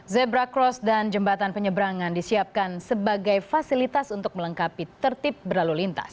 zebra cross dan jembatan penyeberangan disiapkan sebagai fasilitas untuk melengkapi tertib berlalu lintas